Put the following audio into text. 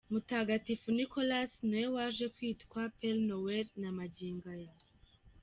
Mutagatifu Nicolas niwe waje kwitwa Père Noël na magingo aya.